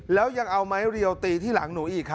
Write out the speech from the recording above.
แล้วยังเอาไม้เรียวตีที่หลังหนูอีก